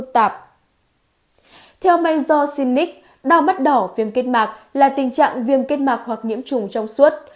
theo mayso cinic đau mắt đỏ viêm kết mạc là tình trạng viêm kết mạc hoặc nhiễm trùng trong suốt